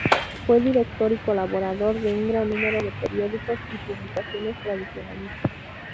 Fue director y colaborador de un gran número de periódicos y publicaciones tradicionalistas.